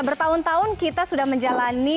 bertahun tahun kita sudah menjalani